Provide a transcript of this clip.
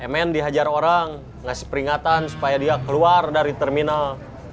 mn dihajar orang ngasih peringatan supaya dia keluar dari terminal